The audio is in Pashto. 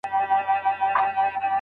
استاد تل د خپل شاګرد علمي ملاتړ کوي.